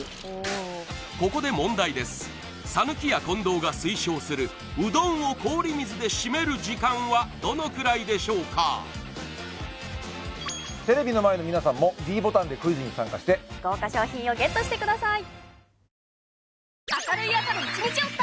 ここで問題ですさぬきや近藤が推奨するうどんを氷水で締める時間はどのくらいでしょうかテレビの前の皆さんもｄボタンでクイズに参加して豪華賞品をＧＥＴしてください